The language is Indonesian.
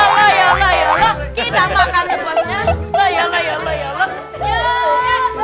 oh ya allah ya allah ya allah